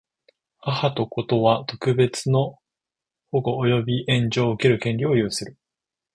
母と子とは、特別の保護及び援助を受ける権利を有する。